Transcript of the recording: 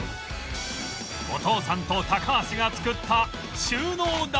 お父さんと高橋が作った収納棚